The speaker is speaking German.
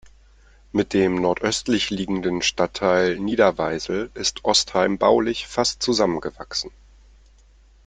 Mit dem nordöstlich liegenden Stadtteil Nieder-Weisel ist Ostheim baulich fast zusammengewachsen.